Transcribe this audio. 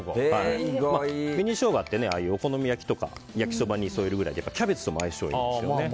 紅ショウガって、お好み焼きとか焼きそばに添えるぐらいなのでキャベツと相性がいいです。